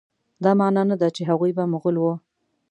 دا معنی نه ده چې هغوی به مغول وه.